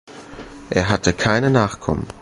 Er hatte keine Nachkommen.